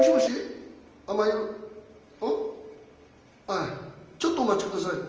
ああちょっとお待ちください。